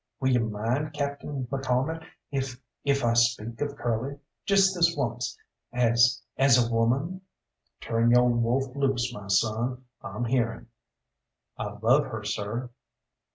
Will you mind, Captain McCalmont if if I speak of Curly just this once as as a woman?" "Turn yo' wolf loose, my son, I'm hearing." "I love her, sir."